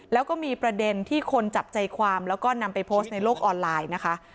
แล้วก็มีประเด็นที่คนจับใจความแล้วก็นำไปโพสต์ในโลกออนไลน์นะคะ